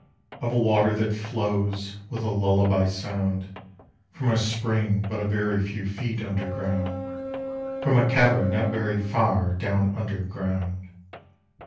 —Of a water that flows, With a lullaby sound, From a spring but a very fewFeet under ground—From a cavern not very farDown under ground.